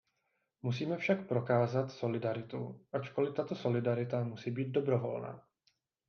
Musíme však prokázat solidaritu, ačkoli tato solidarita musí být dobrovolná.